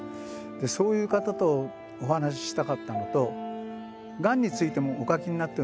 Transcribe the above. そういう方とお話ししたかったのとがんについてもお書きになってるんですよ。